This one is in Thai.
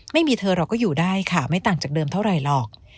ไม่มีเธอเราก็อยู่ได้ค่ะไม่ต่างจากเดิมเท่าไหร่หรอก